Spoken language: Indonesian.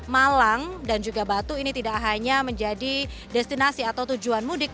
malang dan juga batu ini tidak hanya menjadi destinasi atau tujuan mudik